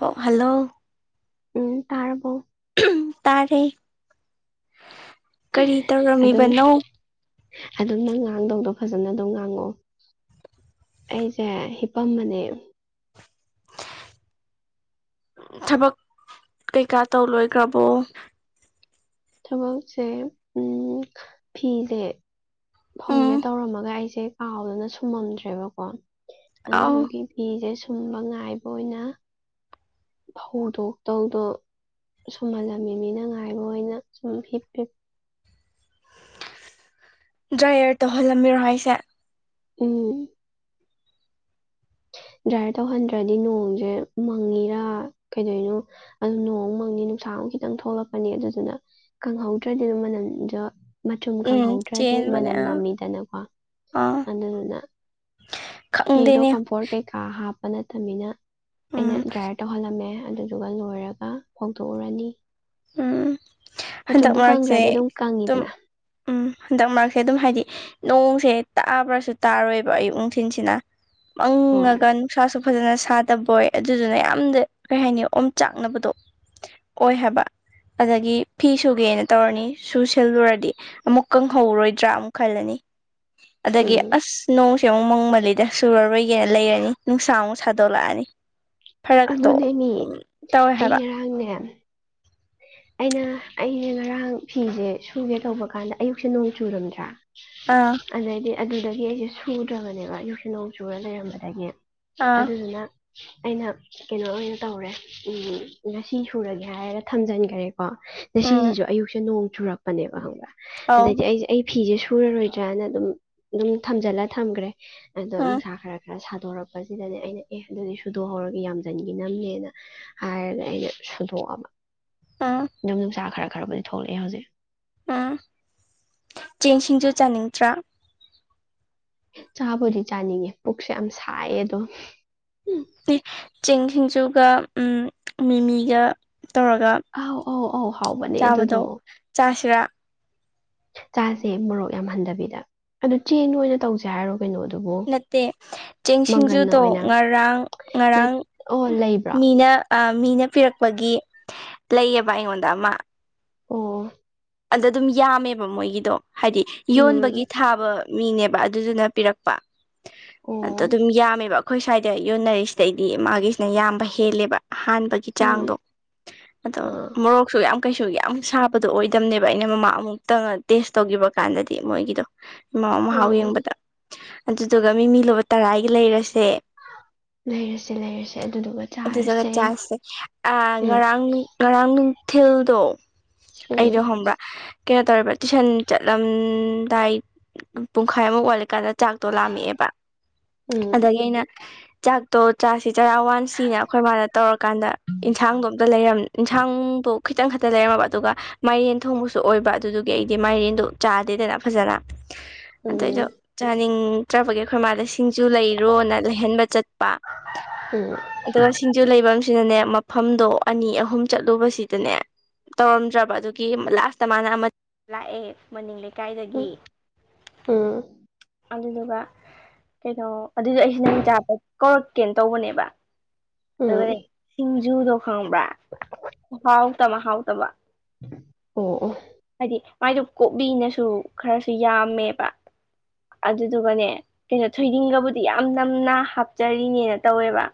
ꯍꯣ ꯍꯜꯂꯣ ꯎꯝ ꯇꯥꯔꯕꯣ ꯇꯥꯔꯦ ꯀꯔꯤ ꯑꯗꯨꯝ ꯇꯧꯔꯝꯃꯤꯕꯅꯣ ꯑꯗꯨꯝ ꯅꯪ ꯉꯥꯡꯗꯧꯗꯣ ꯐꯖꯅ ꯑꯗꯨꯝ ꯉꯥꯡꯉꯣꯑꯣ ꯑꯩꯖꯦ ꯍꯤꯄꯝꯕꯅꯦ ꯊꯕꯛ ꯀꯩꯀꯥ ꯇꯧ ꯂꯣꯏꯈ꯭ꯔꯕꯣ ꯊꯕꯛꯁꯦ ꯎꯝ ꯐꯤꯁꯦ ꯐꯧꯒꯦ ꯎꯝ ꯇꯧꯔꯝꯃꯒ ꯑꯩꯁꯦ ꯀꯥꯎꯗꯨꯅ ꯁꯨꯝꯃꯝꯗ꯭ꯔꯦꯕꯀꯣ ꯑꯧ ꯑꯗꯨꯗꯨꯒꯤ ꯐꯤꯁꯦ ꯁꯨꯝꯕ ꯉꯥꯏꯕ ꯑꯣꯏꯅ ꯐꯧꯗꯣꯛꯇꯧꯗꯣ ꯁꯨꯝ ꯃꯥꯜꯖꯃꯤ ꯃꯤꯅ ꯉꯥꯏꯕ ꯑꯣꯏꯅ ꯁꯨꯝ ꯍꯤꯞ ꯍꯤꯞ ꯗ꯭ꯔꯥꯏꯌꯔ ꯇꯧꯍꯜꯂꯝꯃꯤꯔꯣ ꯍꯥꯏꯁꯦ ꯎꯝ ꯗ꯭ꯔꯥꯏ ꯇꯧꯍꯟꯗ꯭ꯔꯗꯤ ꯅꯣꯡꯁꯦ ꯃꯪꯉꯤꯔꯥ ꯀꯩꯗꯧꯔꯤꯅꯣ ꯑꯗꯨ ꯅꯣꯡꯃꯪꯅꯤ ꯅꯨꯡꯁꯥ ꯑꯃꯨ ꯈꯤꯇꯪ ꯊꯣꯛꯂꯛꯄꯅꯤ ꯑꯗꯨꯗꯨꯅ ꯈꯪꯍꯧꯗ꯭ꯔꯗꯤ ꯑꯗꯨ ꯃꯅꯟꯗ ꯃꯆꯨꯝ ꯎꯝ ꯀꯪꯍꯧꯗ꯭ꯔꯗꯤ ꯆꯦꯟꯕꯅꯦ ꯃꯅꯝ ꯑꯥ ꯅꯝꯃꯤꯗꯅꯀꯣ ꯑꯥ ꯑꯗꯨꯗꯨꯅ ꯐꯤꯗꯣ ꯈꯪꯗꯦꯅꯦ ꯀꯝꯐꯣꯔꯠ ꯀꯩꯀꯥ ꯍꯥꯞꯄ ꯅꯠꯇꯕꯅꯤꯅ ꯑꯩꯅ ꯎꯝ ꯗ꯭ꯔꯥꯏ ꯇꯧꯍꯜꯂꯝꯃꯦ ꯑꯗꯨꯗꯨꯒ ꯂꯣꯏꯔꯒ ꯐꯣꯡꯗꯣꯛꯎꯔꯅꯤ ꯎꯝ ꯍꯟꯗꯛ ꯃꯆꯨꯝꯗꯣ ꯃꯔꯛꯁꯦ ꯀꯪꯈ꯭ꯔꯗꯤ ꯑꯗꯨꯝ ꯀꯪꯉꯤꯗꯅ ꯎꯝ ꯍꯟꯗꯛ ꯃꯔꯛꯁꯦ ꯑꯗꯨꯝ ꯍꯥꯏꯗꯤ ꯅꯣꯡꯁꯦ ꯇꯥꯕ꯭ꯔꯁꯨ ꯇꯥꯔꯣꯏꯕ ꯑꯌꯨꯛ ꯅꯨꯡꯊꯤꯟꯁꯤꯅ ꯍꯣꯏ ꯃꯪꯉꯒ ꯎꯁꯥꯁꯨ ꯐꯖꯅ ꯁꯥꯗꯕꯣꯏ ꯑꯗꯨꯗꯨꯅ ꯌꯥꯝꯅ ꯀꯩ ꯍꯥꯏꯅꯤ ꯑꯣꯝ ꯆꯥꯛꯅꯕꯗꯣ ꯑꯣꯏ ꯍꯥꯏꯕ ꯑꯗꯒꯤ ꯐꯤ ꯁꯨꯒꯦꯅ ꯇꯧꯔꯅꯤ ꯁꯨ ꯁꯤꯜꯂꯨꯔꯗꯤ ꯑꯃꯨꯛ ꯀꯪꯍꯧꯔꯣꯏꯗ꯭ꯔꯥ ꯑꯃꯨꯛ ꯈꯜꯂꯅꯤ ꯑꯗꯒꯤ ꯎꯝ ꯑꯁ ꯅꯣꯡꯁꯦ ꯑꯃꯨꯛ ꯃꯪꯃꯜꯂꯤꯗ ꯁꯨꯔꯔꯣꯏꯒꯦꯅ ꯂꯩꯔꯅꯤ ꯅꯨꯡꯁꯥ ꯑꯃꯨꯛ ꯁꯥꯗꯣꯛꯂꯛꯑꯅꯤ ꯐꯔꯛꯇꯣ ꯑꯗꯨꯅꯦꯝꯃꯤ ꯑꯗꯨꯝ ꯇꯧꯋꯦ ꯑꯩ ꯍꯥꯏꯕ ꯉꯔꯥꯡꯅꯦ ꯑꯩꯅ ꯑꯩꯁꯦ ꯉꯔꯥꯡ ꯐꯤꯁꯦ ꯁꯨꯒꯦ ꯇꯧꯕ ꯀꯥꯟꯗ ꯑꯌꯨꯛꯁꯦ ꯅꯣꯡ ꯆꯨꯨꯔꯝꯗ꯭ꯔꯥ ꯑꯥ ꯑꯗꯩꯗꯤ ꯑꯗꯨꯗꯒꯤ ꯑꯩꯁꯦ ꯁꯨꯗ꯭ꯔꯕꯅꯦꯕ ꯌꯎ ꯁꯤꯂꯧ ꯆꯨꯔ ꯂꯩꯔꯝꯕꯗꯒꯤ ꯑꯥ ꯑꯗꯨꯗꯨꯅ ꯑꯩꯅ ꯀꯩꯅꯣ ꯑꯣꯏꯅ ꯇꯧꯔꯦ ꯉꯁꯤ ꯁꯨꯔꯒꯦ ꯍꯥꯏꯔꯒ ꯊꯝꯖꯤꯟꯈ꯭ꯔꯦ ꯀꯣ ꯑꯗ ꯎꯝ ꯁꯤꯁꯤꯁꯨ ꯑꯌꯨꯛꯁꯦ ꯅꯣꯡ ꯆꯨꯔꯛꯄꯅꯦꯕ ꯈꯪꯕ꯭ꯔꯥ ꯑꯧ ꯑꯗꯩꯗꯤ ꯑꯩꯁꯦ ꯑꯩ ꯐꯤꯁꯦ ꯁꯨꯔꯔꯣꯏꯗ꯭ꯔꯅ ꯑꯗꯨꯝ ꯑꯗꯨꯝ ꯊꯝꯖꯤꯜꯂ ꯊꯝꯈ꯭ꯔꯦ ꯑꯗꯣ ꯎꯝ ꯅꯨꯡꯁꯥ ꯈꯔ ꯈꯔ ꯁꯥꯗꯣꯔꯛꯄꯁꯤꯗꯅꯦ ꯑꯩꯅ ꯑꯦ ꯑꯗꯨꯗꯤ ꯁꯨꯗꯣꯛꯍꯧꯔꯒ ꯌꯥꯝꯁꯤꯟꯈꯤ ꯅꯝꯅꯦꯅ ꯍꯥꯏꯔꯒ ꯑꯩꯁ‌ꯦ ꯁꯨꯗꯣꯛꯑꯕ ꯑꯥ ꯌꯨꯝ ꯌꯅꯨꯡꯁꯥ ꯈꯔ ꯈꯔꯕꯨꯗꯤ ꯊꯣꯛꯂꯛꯑꯦ ꯍꯧꯖꯤꯛ ꯎꯝ ꯆꯦꯡꯁꯤꯡꯁꯨ ꯆꯥꯅꯤꯡꯇ꯭ꯔꯥ ꯆꯥꯕꯨꯗꯤ ꯆꯥꯅꯤꯡꯉꯦ ꯄꯨꯛꯁꯦ ꯌꯥꯝ ꯁꯥꯏꯌꯦ ꯑꯗꯣ ꯆꯤꯡ ꯁꯤꯡꯖꯨꯒ ꯃꯤꯃꯤꯒ ꯇꯧꯔꯒ ꯑꯧ ꯑꯧ ꯑꯧ ꯍꯥꯎꯕꯅꯦ ꯑꯗꯨꯗꯣ ꯆꯥꯕꯗꯣ ꯆꯥꯁꯤꯔꯥ ꯆꯥꯁꯦ ꯃꯣꯔꯣꯛ ꯌꯥꯝ ꯍꯟꯊꯕꯤꯗ ꯑꯗꯨ ꯆꯦꯡ ꯑꯣꯏꯅ ꯇꯧꯁꯦ ꯍꯥꯏꯔꯣ ꯀꯩꯅꯣ ꯑꯗꯨꯕꯨ ꯅꯠꯇꯦ ꯆꯦꯡ ꯃꯪꯒꯜꯟꯅ ꯁꯤꯡꯖꯨꯗꯣ ꯑꯣꯏꯅ ꯉꯔꯥꯡ ꯅꯠ ꯑꯣ ꯂꯩꯕ꯭ꯔꯥ ꯑ ꯃꯤꯅ ꯄꯤꯔꯛꯄꯒꯤ ꯂꯩꯌꯦꯕ ꯑꯩꯉꯣꯟꯗ ꯑꯃ ꯑꯣ ꯑꯗ ꯑꯗꯨꯝ ꯌꯥꯝꯃꯦꯕ ꯃꯣꯏꯒꯤꯗꯣ ꯍꯥꯏꯗꯤ ꯎꯝ ꯌꯣꯟꯕꯒꯤ ꯊꯥꯕ ꯃꯤꯅꯦꯕ ꯑꯗꯨꯗꯨꯅ ꯄꯤꯔꯛꯄ ꯑꯗꯣ ꯑꯣ ꯑꯗꯨꯝ ꯌꯥꯝꯃꯦꯕ ꯑꯩꯈꯣꯏ ꯁ꯭ꯋꯥꯏꯗ ꯌꯣꯟꯅꯔꯤꯁꯤꯗꯩꯗꯤ ꯃꯥꯒꯤꯁꯤꯅ ꯌꯥꯝꯕ ꯍꯦꯜꯂꯦꯕ ꯍꯥꯟꯕꯒꯤ ꯎꯝ ꯆꯥꯡꯗꯣ ꯑꯗꯣ ꯑꯥ ꯃꯣꯔꯣꯛꯁꯨ ꯌꯥꯝ ꯀꯩꯁꯨ ꯌꯥꯝ ꯁꯥꯕꯗꯣ ꯑꯣꯏ ꯇꯇꯝꯅꯦꯕ ꯑꯩꯅ ꯃꯃꯥ ꯑꯃꯨꯛꯇꯪ ꯇꯦꯁ ꯇꯧꯈꯤꯕ ꯀꯥꯟꯗꯗꯤ ꯃꯣꯏꯒꯤꯗꯣ ꯏꯃꯥ ꯑꯣ ꯃꯍꯥꯎ ꯌꯦꯡꯕꯗ ꯑꯗꯨꯗꯨꯒ ꯃꯤ ꯃꯤ ꯂꯨꯕ ꯇꯔꯥꯒꯤ ꯂꯩꯔꯁꯦ ꯂꯩꯔꯁꯦ ꯂꯩꯔꯁꯦ ꯑꯗꯨꯗꯨꯒ [unintelligible] ꯆꯥꯔꯁꯦ ꯆꯁꯦ ꯑ ꯎꯝ ꯉꯔꯥꯡꯅꯨꯡ ꯉꯔꯥꯡ ꯅꯨꯡꯊꯤꯜꯗꯣ ꯎꯝ ꯑꯩꯗꯣ ꯍꯪꯕ꯭ꯔꯥ ꯀꯩꯅꯣ ꯇꯧꯔꯦꯕ ꯇꯨꯏꯁꯟ ꯆꯠꯂꯝꯗꯥꯏ ꯄꯨꯡꯈꯥꯏ ꯑꯃꯨꯛ ꯋꯥꯠꯂꯤꯀꯟꯗ ꯆꯥꯛꯇꯣ ꯂꯥꯝꯃꯛꯑꯦꯕ ꯑꯗꯒꯤ ꯑꯩꯅ ꯆꯥꯛꯇꯣ ꯆꯥꯁꯤ ꯆꯔꯥ ꯋꯥꯟꯁꯤꯅ ꯑꯈꯣꯏ ꯃꯥꯗ ꯇꯧꯔꯀꯥꯟꯗ ꯏꯟꯁꯥꯡꯗꯣ ꯑꯝꯇ ꯂꯩꯔꯝ ꯏꯟꯁꯥꯡꯗꯣ ꯈꯤꯇꯪ ꯈꯛꯇ ꯂꯩꯔꯝꯃꯕ ꯑꯗꯨꯒ ꯃꯥꯏꯔꯦꯟ ꯊꯣꯡꯕꯁꯨ ꯑꯣꯏꯕ ꯑꯗꯨꯗꯨꯒꯤ ꯑꯩꯗꯤ ꯃꯥꯏꯔꯦꯟꯗꯣ ꯆꯥꯗꯦꯗꯅ ꯐꯖꯅ ꯎꯝ ꯑꯗꯩꯗ ꯆꯥꯅꯤꯡꯇ꯭ꯔꯥꯕꯒꯤ ꯑꯩꯈꯣꯏ ꯃꯥꯗ ꯁꯤ ꯁꯤꯡꯖꯨ ꯂꯩꯔꯣꯅ ꯂꯩꯍꯟꯕ ꯆꯠꯄ ꯎꯝ ꯑꯗꯣ ꯁꯤꯡꯖꯨ ꯂꯩꯕꯝꯁꯤꯅꯅꯦ ꯃꯐꯝꯗꯣ ꯑꯅꯤ ꯑꯍꯨꯝ ꯆꯠꯂꯨꯕꯁꯤꯗꯅꯦ ꯇꯧꯔꯝꯗ꯭ꯔꯕ ꯑꯗꯨꯒꯤ ꯂꯥꯁꯇ ꯃꯥꯅ ꯑꯃ ꯂꯥꯛꯑꯦ ꯃꯅꯤꯡꯂꯩ ꯎꯝ ꯀꯥꯏꯗꯒꯤ ꯎꯝ ꯎꯝ ꯑꯗꯨꯗꯨꯒ ꯀꯩꯅꯣ ꯑꯗꯨꯗꯣ ꯑꯩꯁꯦ ꯅꯪ ꯆꯥꯗ ꯀꯧꯔꯛꯀꯦꯅ ꯇꯧꯕꯅꯦꯕ ꯎꯝ ꯑꯗꯨꯗꯒꯤ ꯁꯤꯡꯖꯨꯗꯣ ꯈꯪꯕ꯭ꯔꯥ ꯈꯨꯍꯥꯎꯇꯃ ꯍꯥꯎꯇꯕ ꯑꯣ ꯑꯣ ꯍꯥꯏꯗꯤ ꯃꯥꯏꯗꯨ ꯀꯣꯞꯕꯤꯅꯁꯨ ꯈꯔꯁꯨ ꯌꯥꯝꯃꯦꯕ ꯑꯗꯨꯗꯨꯒꯅꯦ ꯀꯩꯅꯣ ꯊꯣꯏꯗꯤꯡꯒꯕꯨꯗꯤ ꯌꯥꯝ ꯅꯝꯅ ꯍꯥꯞꯆꯔꯤꯅꯦꯅ ꯇꯧꯋꯦꯕ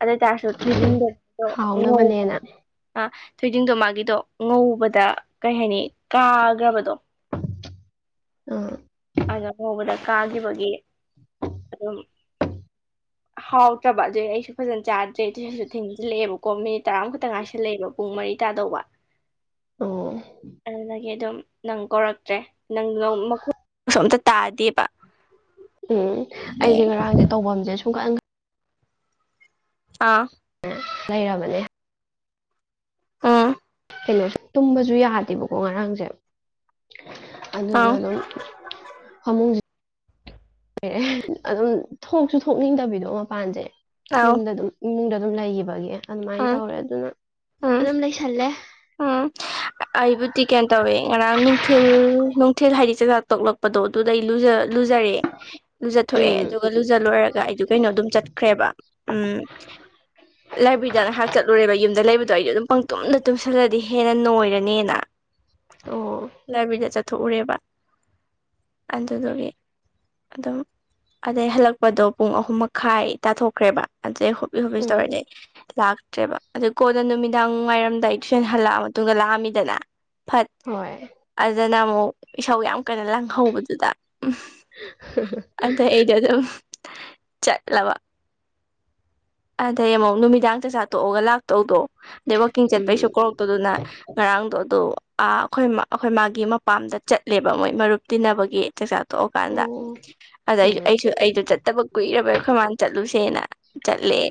[inaudible] ꯑꯗꯣꯏꯇꯥꯥꯔꯁꯨ ꯊꯣꯏꯗꯤꯡꯗꯣꯗꯣ ꯍꯥꯎꯅꯕꯅꯦꯅ [unintelligible] ꯑ ꯊꯣꯏꯗꯤꯡꯗꯣ ꯃꯥꯒꯤꯗꯣ ꯉꯧꯕꯗ ꯀꯩꯍꯥꯏꯅꯤ ꯀꯥꯒ꯭ꯔꯕꯗꯣ ꯑꯥ ꯑꯗ ꯉꯧꯕꯗ ꯀꯥꯒꯤꯕꯒꯤ ꯑꯗꯨꯝ ꯍꯥꯎꯇ꯭ꯔꯕ ꯑꯗꯨꯏ ꯑꯩꯁꯨ ꯐꯖꯅ ꯆꯥꯗ꯭ꯔꯦ ꯇꯨꯏꯁꯟꯁꯨ ꯊꯦꯡꯖꯤꯜꯂꯛꯑꯦꯕꯀꯣ ꯃꯤꯠ ꯇꯔꯥꯃꯨꯛꯈꯠꯇ ꯉꯥꯏꯁꯜꯂꯦꯕ ꯄꯨꯡ ꯃꯔꯤ ꯇꯥꯗꯧꯕ ꯑꯣ ꯑꯗꯨꯗꯒꯤ ꯑꯗꯨꯝ ꯅꯪ ꯀꯧꯔꯛꯇ꯭ꯔꯦ ꯅꯪ [unintelligible] ꯃꯈꯣꯟꯁꯨ ꯑꯝꯇ ꯇꯥꯗꯦꯕ [inaudible] ꯎꯝ ꯑꯩꯖꯦ ꯉꯔꯥꯡꯖꯦ ꯇꯧꯕꯝꯖꯦ ꯁꯨꯡꯈꯪ ꯑꯥ [unintelligible] ꯂꯩꯔꯕꯅꯦ ꯎꯝ ꯀꯩꯅꯣꯁꯨ ꯇꯨꯝꯕꯖꯨ ꯌꯥꯗꯦꯕꯀꯣ ꯉꯔꯥꯡꯖꯦ ꯑꯗꯨꯗꯨꯅ ꯑꯥꯎ ꯑꯗꯨꯝ ꯐꯃꯨꯡꯖꯤ ꯑꯦ ꯑꯗꯨꯝ ꯊꯣꯛꯖꯨ ꯊꯣꯛꯅꯤꯡꯗꯕꯤꯗꯣ ꯃꯄꯥꯟꯖꯦ ꯑꯥꯎ ꯌꯨꯝꯗ ꯑꯗꯨꯝ ꯏꯃꯨꯡꯗ ꯑꯗꯨꯝ ꯂꯩꯒꯤꯕꯒꯤ ꯑꯗꯨꯃꯥꯏ ꯎꯝ ꯇꯧꯔꯦ ꯑꯗꯨꯅ ꯎꯝ ꯑꯗꯨꯝ ꯂꯩꯁꯜꯂꯦ ꯎꯝ ꯑꯩꯕꯨꯗꯤ ꯀꯩꯟ ꯇꯧꯔꯦ ꯉꯔꯥꯡ ꯅꯨꯡꯊꯤꯜ ꯅꯨꯡꯊꯤꯜ ꯍꯥꯏꯗꯤ ꯆꯥꯛꯆ ꯇꯣꯛꯂꯛꯄꯗꯣ ꯗꯨꯗꯩ ꯂꯨꯖ ꯂꯨꯖꯔꯦ ꯂꯨꯖꯊꯣꯛꯑꯦ ꯎꯝ ꯑꯗꯨꯒ ꯂꯨꯖ ꯂꯣꯏꯔꯒ ꯑꯩꯗ ꯀꯩꯅꯣ ꯑꯗꯨꯝ ꯆꯠꯈ꯭ꯔꯦꯕ ꯎꯝ ꯂꯥꯏꯕ꯭ꯔꯤꯗꯉꯥꯏꯍꯥꯛ ꯆꯠꯂꯨꯔꯦꯕ ꯌꯨꯝꯗ ꯂꯩꯕꯗꯣ ꯑꯩꯗꯣ ꯑꯗꯨꯝ ꯄꯪ ꯇꯨꯝꯅ ꯇꯨꯝꯁꯤ ꯈꯔꯗꯤ ꯍꯦꯟꯅ ꯅꯣꯏꯔꯅꯦꯅ ꯑꯣ ꯂꯥꯏꯕ꯭ꯔꯤꯗ ꯆꯠꯊꯣꯛꯎꯔꯦꯕ ꯑꯗꯨꯗꯨꯒꯤ ꯑꯗꯣ ꯑꯗꯩ ꯍꯜꯂꯛꯄꯗꯣ ꯄꯨꯡ ꯑꯍꯨꯝ ꯃꯈꯥꯏ ꯇꯥꯊꯣꯛꯈ꯭ꯔꯦꯕ ꯑꯗꯩ ꯍꯣ [unintelligible] ꯎꯝ ꯇꯧꯔꯛꯑꯦ ꯂꯥꯛꯇ꯭ꯔꯦꯕ ꯑꯗꯨ ꯀꯣꯟꯅ ꯅꯨꯃꯤꯗꯥꯡ ꯋꯥꯏꯔꯝꯗꯥꯏ ꯁꯟ ꯍꯜꯂꯛꯑ ꯃꯇꯨꯡ ꯂꯥꯛꯑꯝꯃꯤꯗꯅ ꯐꯠ ꯍꯣꯏ ꯑꯗꯨꯅ ꯑꯃꯨꯛ ꯏꯁꯧ ꯌꯥꯝ ꯀꯟꯅꯥ ꯂꯪꯍꯧꯕꯗꯨꯗ ꯎꯝ ꯑꯗꯩ ꯑꯩꯗꯣ ꯑꯗꯨꯝ ꯆꯠꯂꯕꯥ ꯑꯗꯩ ꯑꯃꯨꯛ ꯅꯨꯃꯤꯗꯥꯡ ꯆꯥꯛꯆꯥꯥ ꯇꯣꯛꯑꯒ ꯂꯥꯛꯇꯧꯗꯣ ꯑꯗꯩ ꯋꯥꯛꯀꯤꯡ ꯆꯠꯄꯩꯁꯨ ꯎꯝ ꯀꯧꯔꯛꯇꯧꯗꯨꯅ ꯉꯔꯥꯡꯗꯣ ꯑꯗꯣ ꯑꯥ ꯑꯩꯈꯣꯏ ꯑꯩꯈꯣꯏꯃꯥꯒꯤ ꯃꯄꯥꯝꯗ ꯆꯠꯂꯦꯕ ꯃꯣꯏ ꯃꯔꯨꯞ ꯇꯤꯟꯅꯕꯒꯤ ꯆꯥꯛꯆꯥꯥ ꯇꯣꯛꯑꯀꯥꯟꯗ ꯑꯣ ꯑꯗꯥ ꯑꯩꯁꯨ ꯎꯝ ꯑꯩꯁꯨ ꯑꯩꯁꯨ ꯆꯠꯇꯕ ꯀꯨꯏꯔꯕ ꯑꯩꯈꯣꯏ ꯃꯅꯥ ꯆꯠꯂꯨꯁꯦꯅ ꯠꯂ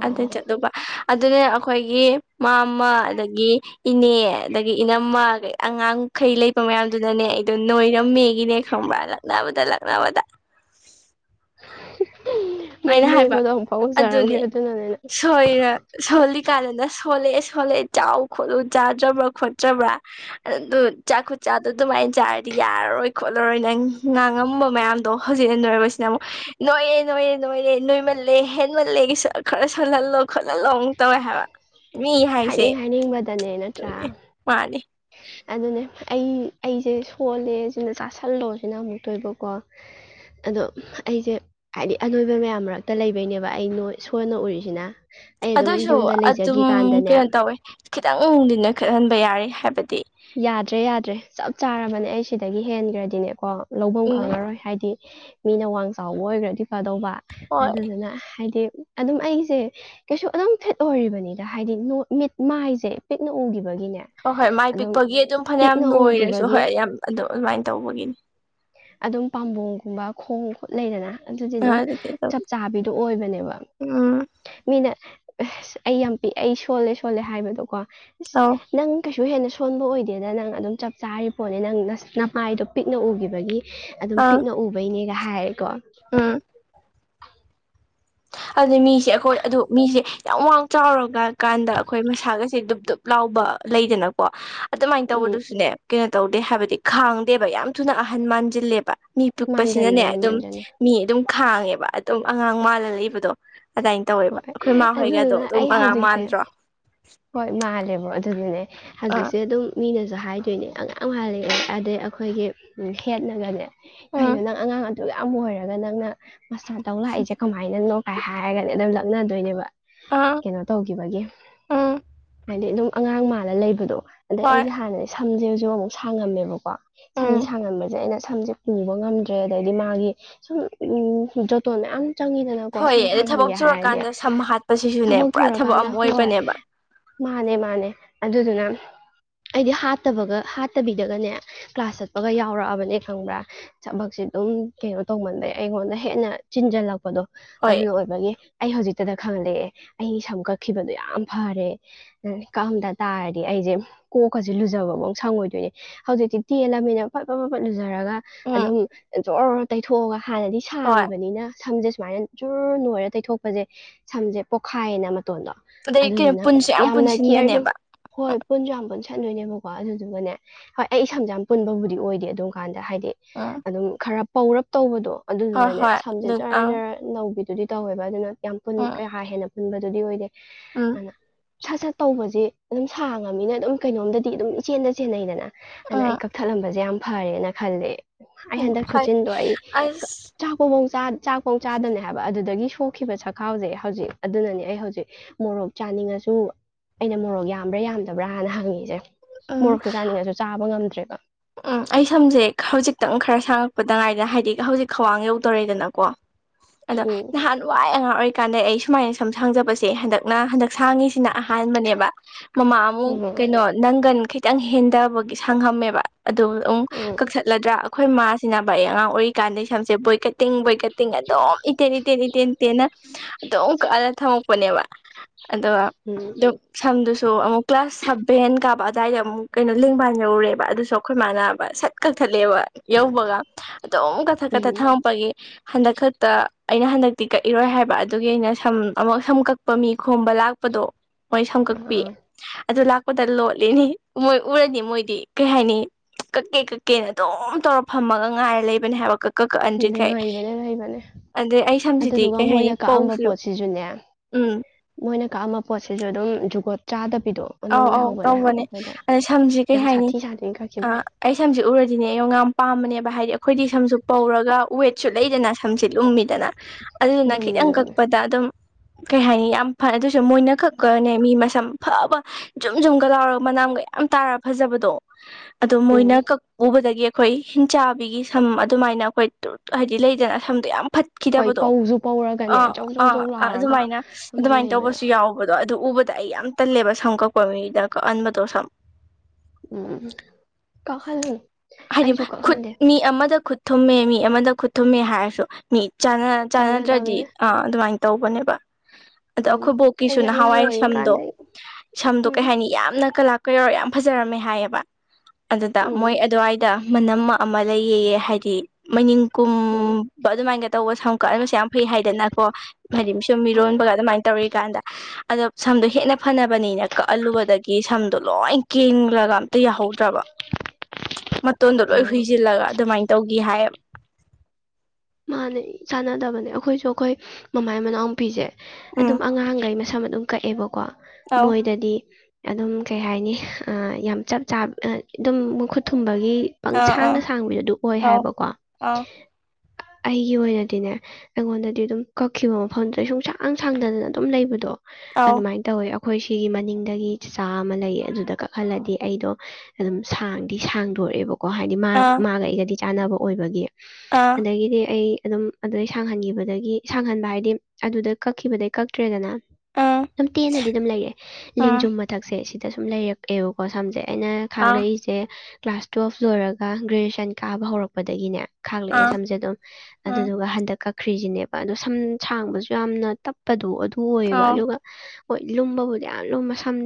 [unintelligible] ꯑꯗꯥ ꯆꯠꯂꯨꯕ ꯑꯗꯨꯅ ꯑꯩꯈꯣꯏꯒꯤ ꯃꯥꯃ ꯑꯗꯒꯤ ꯏꯅꯦ ꯑꯗꯒꯤ ꯏꯅꯝꯃꯒꯩ ꯑꯉꯥꯡ ꯃꯈꯩ ꯂꯩꯕ ꯃꯌꯥꯝꯗꯨꯅꯅꯦ ꯑꯩꯗꯣ ꯅꯣꯏꯔꯝꯃꯦꯒꯤꯅꯦ ꯈꯪꯕ꯭ꯔꯥ ꯂꯛꯅꯕꯗ ꯂꯛꯅꯕꯗ ꯃꯣꯏ ꯑꯩꯅ ꯅꯣꯏꯕꯗꯣ ꯑꯃꯨꯛ ꯐꯥꯎ ꯎꯖꯥꯔꯝꯒꯤ ꯔꫭꯏ ꯑꯗꯨꯅꯅꯦ ꯁꫭꯏꯔ ꯁꯣꯜꯂꯤꯀꯥꯟꯗꯅ ꯁꯣꯜꯂꯛꯑꯦ ꯁꯣꯜꯂꯛꯑꯦ ꯆꯥꯎ ꯈꯣꯠꯂꯨ ꯆꯥꯗ꯭ꯔꯕ꯭ꯔꯥ ꯈꯣꯠꯇ꯭ꯔꯕ꯭ꯔꯥ ꯑꯗꯨ ꯆꯥꯛ ꯈꯨꯠ ꯆꯥꯗꯣ ꯑꯗꯨꯃꯥꯏꯅ ꯆꯥꯔꯗꯤ ꯌꯥꯔꯔꯣꯏ ꯈꯣꯠꯂꯔꯣꯏ ꯅꯪ ꯉꯥꯡꯉꯝꯕ ꯃꯌꯥꯝꯗꯣ ꯍꯧꯖꯤꯛꯅ ꯅꯣꯏꯔꯕꯁꯤꯅ ꯑꯃꯨꯛ ꯅꯣꯏꯌꯦ ꯅꯣꯏꯌꯦ ꯅꯣꯏꯔꯦ ꯅꯣꯏꯃꯜꯂꯦ ꯍꯦꯟꯃꯜꯂꯦ ꯈꯔ ꯁꯜꯍꯜꯂꯣ ꯈꯣꯠꯍꯜꯂꫭ ꯇꯧꯋꯦ ꯍꯥꯏꯕ ꯃꯤ ꯍꯥꯏꯁꯦ ꯍꯥꯏꯅꯤꯡ ꯍꯥꯏꯅꯤꯡꯕꯗꯅꯦ ꯅꯠꯇ꯭ꯔꯥ ꯑꯗꯨꯅꯤ ꯃꯥꯅꯤ ꯑꯗꯨꯅꯦ ꯑꯩ ꯑꯩꯁꯦ ꯁꯣꯜꯂꯦ ꯁꯤꯅ ꯆꯥꯁꯜꯂꯣꯁꯤꯅ ꯑꯃꯨꯛꯇꯣꯏꯕꯀꯣ ꯑꯗꯣ ꯑꯩꯁꯦ ꯍꯥꯏꯗꯤ ꯑꯅꯣꯏꯕ ꯃꯌꯥꯝ ꯃꯔꯛꯇ ꯂꯩꯕꯩꯅꯦꯕ ꯑꯩꯩ ꯅꫭꯏ ꯁꯣꯟꯅ ꯎꯔꯤꯁꯤꯅ ꯑꯩ ꯑꯗꯨꯝ ꯑꯗꯨꯏꯁꯨ ꯌꯨꯝꯗ ꯑꯗꯨꯝ ꯂꯩꯖꯈꯤꯀꯥꯟꯗꯅꯦ ꯀꯩꯅꯣ ꯇꯧꯋꯦ ꯈꯤꯇꯪꯗꯤ ꯅꫭꯏ ꯈꯠꯍꯟꯕ ꯌꯥꯔꯤ ꯍꯥꯏꯕꯗꯤ ꯌꯥꯗ꯭ꯔꯦ ꯌꯥꯗ꯭ꯔꯦ ꯆꯞ ꯆꯥꯔꯕꯅꯦ ꯑꯩ ꯁꯤꯗꯒꯤ ꯍꯦꯟꯈ꯭ꯔꯗꯤꯅꯦꯀꯣ ꯂꯧꯐꯝ ꯎꯝ ꯈꯪꯉꯔꯣꯏ ꯍꯥꯏꯗꯤ ꯃꯤꯅ ꯋꯥꯡ ꯆꯥꯎꯕ ꯑꯣꯏꯈ꯭ꯔꯗꯤ ꯐꯗꯧꯕ ꯍꯣꯏ ꯑꯗꯨꯗꯨꯅ ꯍꯥꯏꯗꯤ ꯑꯗꯨꯝ ꯑꯩꯁꯦ ꯀꯩꯁꯨ ꯑꯗꯨꯝ ꯐꯤꯠ ꯑꯣꯏꯔꯤꯕꯅꯤꯗ ꯍꯥꯏꯗꯤ ꯃꯤꯠ ꯃꯥꯏꯁꯦ ꯄꯤꯛꯅ ꯎꯈꯤꯕꯒꯤꯅꯦ ꯍꯣꯏ ꯍꯣꯏ ꯃꯥꯏ ꯄꯤꯛꯄꯒꯤ ꯑꯗꯨꯝ ꯐꯅꯌꯥꯝ ꯄꯤꯛꯅ ꯅꯣꯏꯔꯁꯨ ꯎꯈꯤꯕꯒꯤ ꯍꯣꯏ ꯌꯥꯝ ꯑꯗꯨ ꯑꯗꯨꯃꯥꯏꯅ ꯇꯧꯕꯒꯤꯅꯤ ꯑꯗꯨꯝ ꯄꯥꯝꯕꯣꯒꯨꯝꯕ ꯈꯣꯡ ꯄꯣꯠ ꯂꯩꯗꯅ ꯑꯗꯨꯗꯤ ꯑꯗꯨꯝ ꯍꯥꯏꯗꯨꯗꯤ ꯑꯗꯨꯝ ꯆꯞ ꯆꯥꯕꯤꯗꯣ ꯑꯣꯏꯕꯅꯦꯕ ꯎꯝ ꯃꯤꯅ ꯑꯩ ꯌꯥꯝ ꯄꯤꯛ ꯑꯩ ꯁꯣꯜꯂꯦ ꯁꯣꯜꯂꯦ ꯍꯥꯏꯕꯗꯣꯀꯣ ꯑꯁ ꯑꯧ ꯅꯪ ꯀꯩꯁꯨ ꯍꯦꯟꯅ ꯁꯣꯟꯕ ꯑꯣꯏꯗꯦꯗ ꯅꯪ ꯑꯗꯨꯝ ꯆꯞ ꯆꯥꯔꯤ ꯄꯣꯠꯅꯤ ꯅꯪ ꯅꯄꯥꯏꯗꯣ ꯄꯤꯛꯅ ꯎꯈꯤꯕꯒꯤ ꯑꯗꯨꯝ ꯑꯥ ꯄꯤꯛꯅ ꯎꯕꯩꯅꯦꯒ ꯍꯥꯏꯔꯦꯀꯣ ꯎꯝ ꯑꯗꯨ ꯃꯤꯁꯦ ꯑꯩꯈꯣꯏ ꯑꯗꯨ ꯃꯤꯁꯦ ꯌꯥꯝ ꯋꯥꯡ ꯆꯥꯎꯔꯒ ꯀꯥꯟꯗ ꯑꯩꯈꯣꯏ ꯃꯁꯥꯒꯁꯦ ꯗꯨꯞ ꯗꯨꯨꯞ ꯂꯥꯎꯕ ꯂꯩꯗꯅꯀꯣ ꯑꯗꯨꯃꯥꯏꯅ ꯎꯝ ꯇꯧꯕꯗꯨꯁꯨꯅꯦ ꯀꯩꯅꯣ ꯇꯧꯗꯦ ꯍꯥꯏꯕꯗꯤ ꯈꯥꯡꯗꯦꯕ ꯌꯥꯝ ꯊꯨꯅ ꯑꯍꯟ ꯃꯥꯟꯁꯤꯜꯂꯦꯕ ꯃꯤ ꯄꯤꯛꯄꯁꯤꯅꯅꯦ ꯃꯥꯟꯖꯟꯗꯣꯏꯅꯦ ꯑꯗꯨꯝ ꯃꯥꯟꯖꯟꯅ ꯃꯤ ꯑꯗꯨꯝ ꯈꯥꯡꯉꯦꯕ ꯑꯗꯨꯝ ꯑꯉꯥꯡ ꯃꯥꯜꯂ ꯂꯩꯕꯗꯣ ꯑꯗꯥꯏ ꯇꯧꯋꯦꯕ ꯍꯣꯏ ꯑꯩꯈꯣꯏ ꯃꯥꯍꯣꯏꯒꯥꯗꯣ ꯑꯗꯨꯗꯨꯅ ꯑꯗꯨꯝ ꯑꯩ ꯑꯉꯥꯡ ꯍꯧꯖꯤꯛꯁꯦ ꯃꯥꯟꯗ꯭ꯔꯣ ꯍꯣꯏ ꯃꯥꯜꯂꯦꯕꯣ ꯑꯗꯨꯗꯨꯅꯦ ꯑꯥ ꯍꯧꯖꯤꯛꯁꯦ ꯑꯗꯨꯝ ꯃꯤꯅꯁꯨ ꯍꯥꯏꯗꯣꯏꯅꯦ ꯑꯉꯥꯡ ꯃꯥꯜꯂ‌ꯦ ꯑꯗꯩ ꯑꯩꯈꯣꯏꯒꯤ ꯍꯦꯠꯅꯒꯅꯦ ꯀꯩꯅꯣ ꯎꯝ ꯅꯪ ꯑꯉꯥꯡ ꯑꯗꯨꯛ ꯌꯥꯝ ꯑꯣꯏꯔꯒ ꯅꯪꯅ ꯃꯥꯁꯇꯔ ꯇꯧ ꯂꯥꯛꯏꯁꯦ ꯀꯃꯥꯏꯅꯅꯣ ꯀꯥꯏ ꯍꯥꯏꯔꯒ ꯑꯗꯨꯝ ꯂꯛꯅꯗꯣꯏꯅꯦꯕ ꯑꯥ ꯀꯩꯅꫭ ꯇꯧꯒꯤꯕꯒꯤ ꯎꯝ ꯍꯥꯏꯗꯤ ꯑꯗꯨꯝ ꯑꯉꯥꯡ ꯃꯤꯜꯂꯥ ꯍꯣꯏ ꯂꯩꯕꯗꫭ ꯁꯝꯁꯦꯖꯨ ꯑꯃꯨꯛ ꯁꯥꯡꯉꯝꯃꯦꯕꯀꯣ ꯁꯝꯁꯦ ꯎꯝ ꯁꯥꯡꯉꯝꯕꯁꯦ ꯑꯩꯅ ꯁꯝꯁꯦ ꯄꯨꯕ ꯉꯝꯗ꯭ꯔꯦ ꯑꯗꯩꯗꯤ ꯃꯥꯒꯤ ꯁꯨꯝ ꯎꯝ ꯖꫭꯇꯣꯟ ꯃꯌꯥꯝ ꯆꯪꯉꯤꯗꯅ ꯍꯣꯏꯌꯦ ꯑꯗꯨ ꯊꯕꯛ ꯁꯨꯔꯥꯀꯥꯟꯗ ꯁꯝ ꯍꯥꯠꯄꯁꯤꯁꯨꯅꯦ ꯄꯨꯔꯥ ꯊꯕꯛ ꯊꯨꯔꯀꯥꯟꯗ ꯑꯃ ꯍꯣꯏ ꯑꯣꯏꯕꯅꯦꯕ ꯃꯥꯅꯦ ꯃꯥꯅꯦ ꯑꯗꯨꯗꯨꯅ ꯑꯩꯗꯤ ꯍꯥꯠꯇꯕꯒ ꯍꯥꯠꯇꯕꯤꯗꯒꯅꯦ ꯀ꯭ꯂꯥꯁ ꯆꯠꯄꯒ ꯌꯥꯎꯔꯛꯑꯕꯅꯦ ꯈꯪꯕ꯭ꯔꯥ ꯊꯕꯛꯁꯤ ꯑꯗꯨꯝ ꯀꯩꯅꯣ ꯇꯧꯕꯃꯟꯗꯩ ꯑꯩꯉꯣꯟꯗ ꯍꯦꯟꯅ ꯆꯤꯟꯖꯜꯂꯛꯄꯗꯣ ꯍꯣꯏ ꯑꯗꯨꯗꫭ ꯑꯣꯏꯕꯒꯤ ꯑꯩ ꯍꯧꯖꯤꯛꯇꯗ ꯈꯪꯂꯦ ꯑꯩ ꯁꯝ ꯀꯛꯈꯤꯕꯗꯨ ꯌꯥꯝ ꯐꯔꯦ ꯀꯛꯍꯧꯗ ꯇꯥꯔꯗꯤ ꯑꯩꯁꯦ ꯀꯣꯛꯀꯁꯦ ꯂꯨꯖꯕꯕꯥꯎ ꯁꯪꯉꯣꯏꯗꯣꯏꯅꯦ ꯍꯧꯖꯤꯛꯇꯤ ꯇꯦꯜꯂꯃꯤꯅ ꯐꯠ ꯐꯠ ꯐꯠ ꯐꯠ ꯂꯨꯖꯔꯒ ꯎꯝ ꯑꯗꯨꯝ ꯖꯣꯔ ꯇꯩꯊꯣꯛꯑꯒ ꯍꯥꯟꯅꯗꯤ ꯍꯣꯏ ꯁꯥꯡꯉꯤꯕꯅꯤꯅ ꯁꯝꯁꯦ ꯁꯨꯃꯥꯏꯅ ꯖꯨꯔ ꯅꯣꯏꯔ ꯇꯩꯊꯣꯛ ꯄꯁꯦ ꯁꯝꯁꯦ ꯄꯣꯛꯈꯥꯏꯌꯦꯅ ꯃꯇꯣꯟꯗꯣ ꯑꯗꯩ ꯀꯩꯅꯣ ꯑꯗꯨꯗꯨꯅ ꯄꯨꯟꯁꯨ ꯌꯥꯝ ꯌꯥꯝꯅ ꯀꯦꯌꯔꯁꯨ ꯄꯨꯟꯁꯤꯟꯕꯅꯦꯕ ꯍꯣꯏ ꯄꯨꯟꯁꯨ ꯌꯥꯝ ꯄꯟꯁꯟ ꯂꯦꯅꯦꯕꯀꯣ ꯑꯗꯨꯗꯨꯃꯅꯦ ꯍꯣꯏ ꯑꯩ ꯏꯁꯝꯁ ꯌꯥꯝ ꯄꯨꯟꯕꯕꯨꯗꯤ ꯑꯣꯏꯗꯦ ꯑꯗꯨꯝ ꯀꯥꯟꯗ ꯍꯥꯏꯗꯤ ꯎꯝ ꯑꯗꯨꯝ ꯈꯔ ꯄꯧꯔꯞ ꯇꯧꯕꯗꯣ ꯍꯣꯏ ꯑꯗꯨꯗꯨꯅꯅꯦ ꯍꯣꯏ ꯁꯝꯁꯦ ꯑꯗꯨ ꯑꯪ ꯆꯔꯔ ꯅꯧꯕꯤꯗꯨꯗꯤ ꯇꯧꯋꯦꯕ ꯑꯗꯨꯅ ꯌꯥꯝ ꯀꯟ ꯎꯝ ꯀꯍꯥ ꯍꯦꯟꯅ ꯄꯨꯟꯕꯗꯨꯗꯤ ꯑꯣꯏꯗꯦ ꯎꯝ ꯑꯗꯨꯅ ꯁꯠ ꯁꯠ ꯇꯧꯕꯁꯦ ꯑꯗꯨꯝ ꯁꯥꯡꯉꯅꯤꯅ ꯑꯗꯨꯝ ꯀꯩꯅꯣꯝꯗꯗꯤ ꯑꯗꯨꯝ ꯏꯆꯦꯟꯗ ꯆꯦꯟꯅꯩꯗꯅ [unintelligible] ꯑꯩ ꯎꯝ ꯀꯛꯊꯠꯂꯝꯕꯁꯦ ꯌꯥꯝ ꯐꯔꯦꯅ ꯈꯜꯂꯦ ꯑꯩ ꯎꯝ ꯍꯟꯗꯛ ꯍꯣꯏ ꯈꯨꯠꯆꯤꯟꯗꯣ ꯑꯩ ꯑꯁ ꯆꯥꯛꯀꯕꯥꯎ ꯆꯥ ꯆꯥꯛꯐꯥꯑꯣ ꯆꯥꯗꯅꯦ ꯍꯥꯏꯕ ꯑꯗꯨꯗꯒꯤ ꯁꯣꯛꯈꯤꯕꯁꯛ ꯈꯥꯎꯖꯩ ꯍꯧꯖꯤꯛ ꯑꯗꯨꯅꯅꯦ ꯑꯩ ꯍꯧꯖꯤꯛ ꯃꯣꯔꯣꯛ ꯆꯥꯅꯤꯡꯉꯁꯨ ꯑꯩꯅ ꯃꯣꯔꯣꯛ ꯌꯥꯝꯕ꯭ꯔꯥ ꯌꯥꯝꯗꯕ꯭ꯔꯥ ꯍꯟꯅ ꯍꯪꯉꯤꯁꯦ ꯎꯝ ꯃꯣꯔꯣꯛꯁꯨ ꯆꯥꯅꯤꯡꯉꯁꯨ ꯆꯥꯕ ꯉꯝꯗ꯭ꯔꯦꯕ ꯎꯝ ꯑꯩ ꯁꯝꯁꯦ ꯍꯧꯖꯤꯛꯇꯪ ꯈꯔ ꯁꯥꯡꯉꯛꯄꯗ ꯉꯥꯏꯗꯅ ꯍꯥꯏꯗꯤ ꯍꯧꯖꯤꯛ ꯈ꯭ꯋꯥꯡ ꯌꯧꯗꯣꯔꯦꯗꯅꯀꯣ ꯑꯗꯣ ꯎꯝ ꯅꯍꯥꯟ ꯋꯥꯏ ꯑꯉꯥꯡ ꯑꯣꯏꯔꯤꯀꯥꯟꯗ ꯑꯩ ꯁꯨꯃꯥꯏꯅ ꯁꯨꯝ ꯁꯥꯡꯖꯕꯁꯦ ꯍꯟꯗꯛꯅ ꯍꯟꯗꯛ ꯁꯥꯡꯉꯁꯤ ꯁꯤꯅ ꯑꯍꯥꯟꯕꯅꯦꯕ ꯃꯃꯥ ꯑꯃꯨꯛ ꯎꯝ ꯀꯩꯅꯣ ꯅꯪꯒꯟ ꯈꯤꯇꯪ ꯍꯦꯟꯗꯕꯥꯒꯤ ꯁꯪꯉꯝꯃꯦꯕ ꯑꯗꯨ ꯑꯗꯨꯝ ꯎꯝ ꯀꯛꯊꯠꯂꯗ꯭ꯔꯥ ꯑꯩꯈꯣꯏ ꯃꯥꯁꯤꯅꯕꯥ ꯑꯩ ꯑꯉꯥꯡ ꯑꯣꯏꯔꯤ ꯀꯥꯟꯗꯩ ꯁꯝꯁꯦ ꯕꯣꯏꯀꯠꯇꯤꯡ ꯕꯣꯏꯀꯠ ꯇꯤꯡ ꯑꯗꯨꯝ ꯏꯇꯦꯟ ꯏꯇꯦꯟ ꯏꯇꯦꯟ ꯇꯦꯟꯅ ꯑꯗꯨꯝ ꯀꯛꯑꯅ ꯊꯝꯃꯛꯄꯅꯦꯕ ꯑꯗꯨꯒ ꯑꯗꯨꯝ ꯁꯝꯗꯨꯁꯨ ꯑꯃꯨꯛ ꯀ꯭ꯂꯥꯁ ꯁꯕꯦꯟ ꯀꯥꯕ ꯑꯗꯨꯋꯥꯏꯗ ꯑꯃꯨꯛ ꯀꯩꯅꯣ ꯂꯤꯡꯕꯟ ꯌꯧꯔꯨꯔꯦꯕꯥ ꯑꯗꯨꯁꯨ ꯑꯩꯈꯣꯏ ꯃꯥꯅ ꯁꯠ ꯀꯛꯊꯠꯂꯦꯕ ꯌꯧꯕꯒ ꯑꯗꯨꯝ ꯀꯊꯛ ꯎꯝ ꯎꯝ ꯀꯊꯠ ꯊꯝꯉꯛꯄꯒꯤ ꯍꯟꯗꯛ ꯈꯛ ꯇ ꯑꯩꯅ ꯍꯟꯗꯛꯇꯤ ꯀꯛꯏꯔꯣꯏ ꯍꯥꯏꯕ ꯑꯗꯨꯒꯤ ꯑꯩꯅ ꯁꯝ ꯑꯃꯨꯛ ꯁꯝ ꯀꯛꯄ ꯃꯤ ꯈꯣꯝꯕ ꯂꯥꯛꯄꯗꯣ ꯃꯣꯏ ꯁꯝꯀꯛꯄꯤ ꯑꯥ ꯑꯗꯨ ꯂꯥꯛꯄꯗ ꯂꯣꯠꯂꯤꯅꯤ ꯃꯣꯏ ꯎꯔꯅꯤ ꯃꯣꯏꯗꯤ ꯀꯩ ꯍꯥꯏꯅꯤ ꯀꯛꯀꯦ ꯀꯛꯀꯦꯅ ꯑꯗꯨꯝ ꯇꯧꯔ ꯐꯝꯃꯒ ꯉꯥꯏꯔ ꯂꯩꯕꯅꯦ ꯍꯥꯏꯕ ꯥ ꯂꯩꯕꯅꯦ ꯂꯩꯕꯅꯦ [unintelligible] ꯑꯗꯩ ꯑꯩ ꯁꯝꯁꯤꯗꯤ ꯑꯗꯨꯗꯨꯒ ꯀꯩ ꯍꯥꯏꯅꯤ ꯃꯣꯏꯅ ꯀꯛꯑꯝꯕ ꯄꯧꯁꯨ ꯄꯣꯠꯁꯤꯁꯨꯅꯦ ꯎꯝ ꯃꯣꯏꯅ ꯀꯛꯑꯝꯕ ꯄꯣꯠꯁꯤꯁꯨ ꯑꯗꯨꯝ ꯖꯨꯒꯣꯠ ꯆꯥꯗꯕꯤꯗꯣ ꯑꯗꯨ ꯑꯧ ꯑꯧ ꯑꯣꯏꯍꯧꯕꯅꯦ ꯍꯥꯏꯕ ꯇꯧꯕꯅꯦ ꯑꯩꯈꯣꯏꯗ ꯑꯗꯩ ꯁꯝꯁꯦ ꯀꯩ ꯌꯥꯝ ꯍꯥꯏꯅꯤ ꯁꯥꯊꯤ ꯁꯥꯊꯤꯅ ꯀꯛꯈꯤꯕꯅꯦ ꯑꯥ ꯑꯩ ꯁꯝꯁꯦ ꯎꯔꯗꯤꯅꯦ ꯌꯣꯡ ꯌꯥꯝ ꯄꯥꯝꯃꯅꯦꯕ ꯍꯥꯏꯗꯤ ꯑꯩꯈꯣꯏꯗꯤ ꯁꯝꯁꯨ ꯄꯧꯔꯒ ꯋꯦꯠꯁꯨ ꯂꯩꯗꯅ ꯁꯝꯁꯦ ꯂꯨꯝꯃꯤꯗꯅ ꯑꯗꯨꯗꯨꯅ ꯂꯨꯝꯃꯦ ꯈꯤꯇꯪ ꯂꯨꯝꯃꯦ ꯀꯛꯄ ꯗꯥ ꯑꯗꯨꯝ ꯀꯩ ꯍꯥꯏꯅꯤ ꯌꯥꯝ ꯐꯥ ꯑꯗꯨꯁꯨ ꯃꯣꯏꯅ ꯈꯛꯅꯦ ꯃꯤ ꯃꯁꯝ ꯐꯕ ꯖꯨꯝ ꯖꯨꯝꯒ ꯂꯥꯎꯔꯒ ꯃꯅꯥꯝꯒ ꯌꯥꯝ ꯇꯥꯔ ꯐꯖꯕꯗꯣ ꯑꯗꯣ ꯎꯝ ꯃꯣꯏꯅ ꯀꯥꯛ ꯎꯕꯗꯒꯤ ꯑꯩꯈꯣꯏ ꯍꯤꯡꯆꯥꯕꯤꯒꯤ ꯁꯝ ꯑꯗꯨꯃꯥꯏꯅ ꯑꯩꯈꯣꯏ ꯇꯨ ꯍꯥꯏꯗꯤ ꯂꯩꯗꯅ ꯁꯝꯗꯣ ꯌꯥꯝ ꯐꯠ ꯍꯣꯏ ꯈꯤꯗꯕꯗꯣ ꯄꯧꯁꯨ ꯄꯧꯔꯒꯅꯦ ꯑꯥ ꯖꯧ ꯖꯧ ꯑꯥ ꯖꯧ ꯑꯥ ꯂꯥꯎꯔꯒ ꯑꯗꯨꯃꯥꯏꯅ ꯑꯃ ꯑꯗꯨꯃꯥꯏꯅ ꯂꯩꯕꯗꯣ ꯇꯧꯕꯁꯨ ꯌꯥꯎ ꯎꯕꯗꯣ ꯑꯗꯨ ꯎꯕꯗ ꯑꯩ ꯌꯥꯝ ꯇꯜꯂꯦꯕ ꯁꯝ ꯀꯛꯄ ꯃꯤꯗ ꯀꯛꯍꯟꯕꯗꯣ ꯁꯝ ꯎꯝ ꯀꯛꯍꯜꯂꯨ ꯍꯥꯏꯗꯤ ꯈꯨꯠ ꯃꯤ ꯑꯃꯗ ꯈꯨꯠ ꯊꯨꯝꯃꯦ ꯃꯤ ꯑꯃꯗ ꯈꯨꯠ ꯊꯨꯝꯃꯦ ꯍꯥꯏꯔꯁꯨ ꯃꯤ ꯆꯥꯅ ꯆꯥꯟꯅꯗ꯭ꯔꯗꯤ ꯆꯥꯟꯅꯗꯕꯅꯦ ꯑꯥ ꯑꯗꯨꯃꯥꯏꯅ ꯇꯧꯕꯅꯦꯕ ꯑꯗꯣ ꯎꯝ ꯑꯩꯈꯣꯏꯕꯣꯛꯀꯤꯁꯨ ꯑꯩꯗꯤ ꯑꯉꯥꯡ ꯅꯍꯋꯥꯏ ꯁꯝꯗꯣ ꯑꯣꯏꯔꯤꯀꯥꯟꯗꯩ ꯁꯝꯗꯣ ꯎꯝ ꯀꯩ ꯍꯥꯏꯅꯤ ꯌꯥꯝꯅ ꯀꯂꯥꯞ ꯀꯩꯌꯧꯔꯒ ꯌꯥꯝ ꯐꯖꯔꯝꯃꯦ ꯍꯥꯏꯌꯦꯕ ꯑꯗꯨꯗ ꯎꯝ ꯃꯣꯏ ꯑꯗꯨꯋꯥꯏ ꯇꯥ ꯃꯅꯝꯃꯥ ꯑꯃ ꯂꯩꯌꯦꯑꯦ ꯍꯥꯏꯗꯤ ꯃꯩꯅꯤꯡ ꯀꯨꯝ ꯎꯝ ꯕ ꯑꯗꯨꯃꯥꯏꯅꯒ ꯇꯧꯕ ꯁꯝꯀꯛꯍꯟꯕꯁꯨ ꯌꯥꯝ ꯐꯩ ꯍꯥꯏꯗꯅꯀꯣ ꯍꯥꯏꯗꯤ ꯃꯤꯁꯣꯝ ꯍꯣꯏ ꯃꯤꯔꯣꯟꯕꯒ ꯑꯗꯨꯃꯥꯏꯅ ꯇꯧꯔꯤꯀꯥꯟꯗ ꯑꯗꯣ ꯁꯝꯗꯣ ꯍꯦꯟꯅ ꯐꯅꯕꯅꯤꯅ ꯀꯛꯍꯜꯂꯨꯕꯗꯒꯤ ꯁꯝꯗꯣ ꯂꯣꯏ ꯀꯦꯟꯒ꯭ꯔꯒ ꯑꯝꯇ ꯌꯥꯍꯧꯗ꯭ꯔꯕ ꯃꯇꯣꯟꯗꯣ ꯑ ꯂꯣꯏ ꯍꯨꯏꯁꯤꯜꯂꯒ ꯑꯗꯨꯃꯥꯏꯅ ꯇꯧꯒꯤ ꯍꯥꯏꯌꯦꯕ ꯃꯥꯅꯦ ꯆꯥꯟꯅꯗꯕꯅꯦ ꯑꯩꯈꯣꯏꯁꯨ ꯑꯩꯈꯣꯏ ꯃꯃꯥꯏ ꯃꯅꯥꯎꯄꯤꯁꯦ ꯎꯝ ꯑꯗꯨꯝ ꯑꯉꯥꯡꯒꯩꯅ ꯁꯝ ꯑꯗꯨꯝ ꯀꯛꯑꯦꯕꯀꯣ ꯑꯥꯎ ꯃꯣꯏꯗꯗꯤ ꯑꯗꯨꯝ ꯀꯩ ꯍꯥꯏꯅꯤ ꯌꯥꯝ ꯆꯞ ꯆꯥꯕ ꯑꯗꯨꯝ ꯃꯈꯨꯠ ꯊꯨꯝꯕꯒꯤ ꯄꯪꯁꯥꯡꯗ ꯁꯥꯡꯕꯤꯗꯣ ꯑꯗꯨ ꯑꯣꯏ ꯍꯥꯏꯕꯀꯣ ꯑꯧ ꯑꯩꯒꯤ ꯑꯣꯏꯅꯗꯤꯅꯦ ꯑꯩꯉꯣꯟꯗꯗꯤ ꯑꯗꯨꯝ ꯀꯛꯈꯤꯕ ꯃꯐꯝꯗꯨꯗꯒꯤ ꯁꯨꯡꯁꯥꯡ ꯁꯥꯡꯗꯅ ꯑꯗꯨꯝ ꯂꯩꯕꯗꯣ ꯑꯥꯎ ꯑꯗꯨꯃꯥꯏꯅ ꯇꯧꯋꯦ ꯑꯩꯈꯣꯏ ꯁꯤꯒꯤ ꯃꯅꯤꯡꯗꯒꯤ ꯆꯆꯥ ꯑꯃ ꯂꯩ ꯑꯗꯨꯗ ꯀꯛꯍꯜꯂꯗꯤ ꯑꯩꯗꯣ ꯑꯗꯨꯝ ꯁꯥꯡꯗꯤ ꯁꯥꯡꯗꯣꯔꯛꯑꯦꯕꯀꯣ ꯍꯥꯏꯗꯤ ꯃꯥ ꯑꯥ ꯃꯥꯒ ꯑꯩꯒꯗꯤ ꯆꯥꯟꯅꯕ ꯑꯣꯏꯕꯒꯤ ꯑꯥ ꯑꯗꯒꯤꯗꯤ ꯑꯩ ꯑꯗꯨꯝ ꯑꯗꯩ ꯁꯥꯡꯍꯟꯈꯤꯕꯗꯒꯤ ꯁꯥꯡꯍꯟꯕ ꯍꯥꯏꯗꯤ ꯑꯗꯨꯗ ꯀꯛꯈꯤꯕꯗꯒꯤ ꯀꯛꯇ꯭ꯔꯦꯗꯅ ꯑꯥ ꯑꯗꯨꯝ ꯇꯦꯟꯅꯗꯤ ꯑꯗꯨꯝ ꯂꯩꯑꯦ ꯑꯥ ꯂꯦꯡꯖꯨꯝ ꯃꯊꯛꯁꯦ ꯁꯤꯗ ꯁꯨꯝ ꯂꯩꯔꯦ ꯑꯦꯕꯀꯣ ꯁꯝꯁꯦ ꯑꯩꯅ ꯑꯥ ꯑꯥ ꯈꯥꯡꯂꯛꯏꯁꯦ ꯀ꯭ꯂꯥꯁ ꯇꯨꯋꯦꯜꯐ ꯂꯣꯏꯔꯒ ꯒ꯭ꯔꯦꯖꯨꯑꯦꯁꯟ ꯀꯥꯕ ꯍꯧꯔꯛꯄꯗꯒꯤꯅꯦ ꯈꯥꯥꯛꯂꯛꯑꯦ ꯁꯝꯁꯦ ꯑꯗꯨꯝ ꯑꯥ ꯑꯗꯨꯗꯨꯒ ꯍꯟꯗꯛ ꯀꯛꯈ꯭ꯔꯤꯁꯤꯅꯦꯕ ꯑꯗꯣ ꯁꯝ ꯁꯥꯡꯕꯁꯨ ꯌꯥꯝꯅ ꯇꯞꯄꯗꯣ ꯑꯗꯨ ꯑꯣꯏꯌꯦꯕ ꯑꯥꯎ ꯑꯗꯨꯒ ꯍꯣꯏ ꯂꯨꯝꯕꯕꯨꯗꯤ ꯌꯥꯝ ꯂꯨꯝꯕ ꯁꯝ